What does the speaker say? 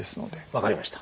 分かりました。